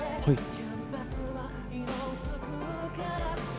はい。